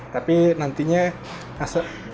tapi nantinya akan menjadi kopi gel